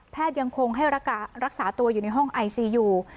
ยังคงให้รักษาตัวอยู่ในห้องไอซีอยู่